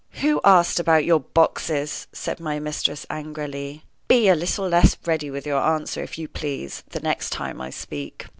"Who asked about your boxes?" said my mistress, angrily. "Be a little less ready with your answer, if you please, the next time I speak."